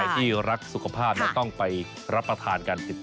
ใครที่รักสุขภาพนะต้องไปรับประทานกัน